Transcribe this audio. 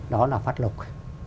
đó là phát lục